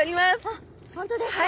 あっ本当ですか？